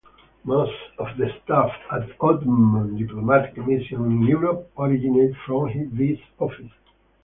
Most of the staff at Ottoman diplomatic missions in Europe originated from this office.